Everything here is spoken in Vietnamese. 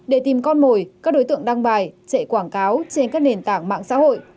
để tìm con mồi các đối tượng đăng bài chạy quảng cáo trên các nền tảng mạng xã hội